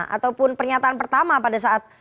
ataupun pernyataan pertama pada saat